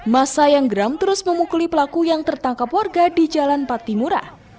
masa yang geram terus memukuli pelaku yang tertangkap warga di jalan patimura